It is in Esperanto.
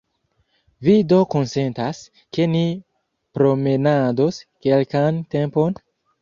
Vi do konsentas, ke ni promenados kelkan tempon?